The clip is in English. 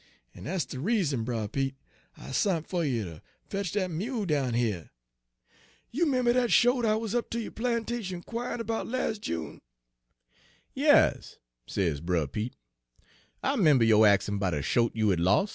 En dat 's de reason, Brer Pete, I sont fer you ter fetch dat mule down here. You 'member dat shote I was up ter yo' plantation inquirin' 'bout las' June?' " 'Yas,' says Brer Pete, 'I 'member yo' axin' 'bout a shote you had los'.'